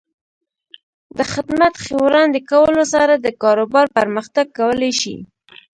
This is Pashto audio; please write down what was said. د خدمت ښې وړاندې کولو سره د کاروبار پرمختګ کولی شي.